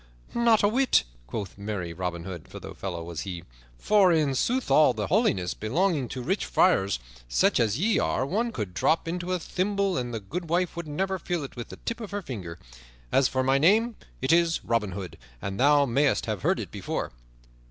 "Not a whit," quoth merry Robin Hood, for the fellow was he, "for in sooth all the holiness belonging to rich friars, such as ye are, one could drop into a thimble and the goodwife would never feel it with the tip of her finger. As for my name, it is Robin Hood, and thou mayst have heard it before."